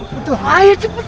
tidak ada para